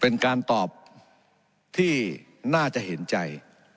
เป็นการตอบที่น่าจะเห็นใจ